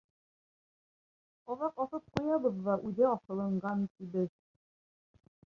Аҙаҡ аҫып ҡуябыҙ ҙа, үҙе аҫылынған, тибеҙ.